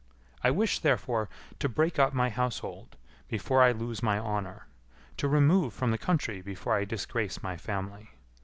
I wish, therefore, to break up my household before I lose my honour; to remove from the country before I disgrace my family.